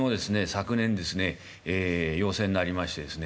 昨年ですねええ陽性になりましてですね